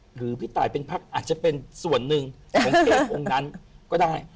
พี่ตายเป็นพักอาจจะเป็นส่วนหนึ่งของเพลงองค์นั้นก็ได้